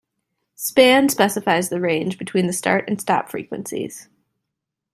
Span specifies the range between the start and stop frequencies.